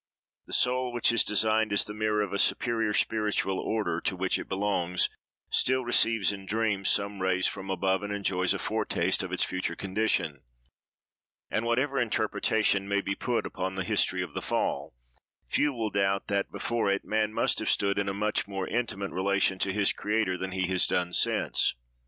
"The soul, which is designed as the mirror of a superior spiritual order" (to which it belongs), still receives in dreams, some rays from above, and enjoys a foretaste of its future condition; and, whatever interpretation may be put upon the history of the Fall, few will doubt that, before it, man must have stood in a much more intimate relation to his Creator than he has done since.